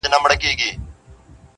o په خوله الله، په زړه کي غلا٫